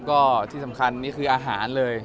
ก็ที่สำคัญนี่คืออาหารเลย